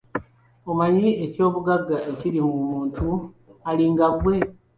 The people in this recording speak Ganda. Omanyi ekyobugagga ekiri mu muntu alinga ggwe?